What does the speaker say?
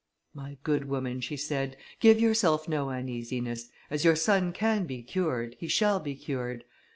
"My good woman," she said, "give yourself no uneasiness, as your son can be cured, he shall be cured.